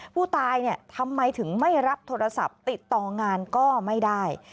ผู้ตายทำไมถึงไม่รับโทรศัพท์ติดต่องานก็ไม่ได้